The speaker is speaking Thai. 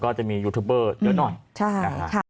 หลังจากผู้ชมไปฟังเสียงแม่น้องชมไป